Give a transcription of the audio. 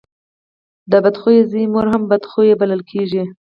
د بد خويه زوی مور هم بد خويه بلل کېږي.